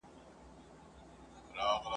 يوه ښځه هم د دې وړ نه ده